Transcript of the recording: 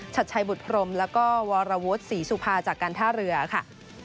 ชัดชัยบุตรพรมแล้วก็วรวุฒิศรีสุภาจากการท่าเรือค่ะ